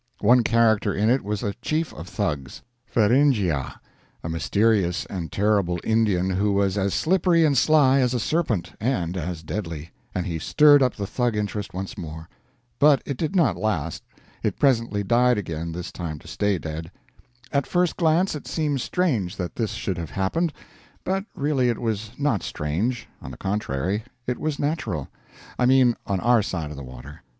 One character in it was a chief of Thugs "Feringhea" a mysterious and terrible Indian who was as slippery and sly as a serpent, and as deadly; and he stirred up the Thug interest once more. But it did not last. It presently died again this time to stay dead. At first glance it seems strange that this should have happened; but really it was not strange on the contrary it was natural; I mean on our side of the water.